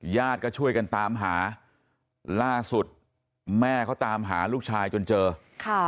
ญาติก็ช่วยกันตามหาล่าสุดแม่เขาตามหาลูกชายจนเจอค่ะ